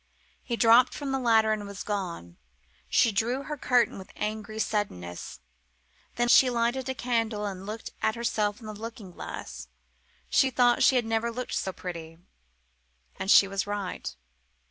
He dropped from the ladder and was gone. She drew her curtain with angry suddenness. Then she lighted candles and looked at herself in the looking glass. She thought she had never looked so pretty. And she was right.